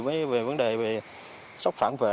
về vấn đề sốc phạm